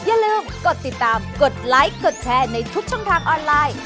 อย่าลืมกดติดตามกดไลค์กดแชร์ในทุกช่องทางออนไลน์